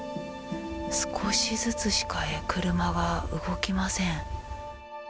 少しずつしか車が動きません。